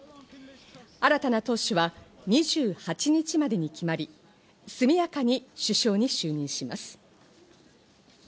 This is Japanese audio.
新たな党首は２８日までに決まり、速やかに首相に就任します。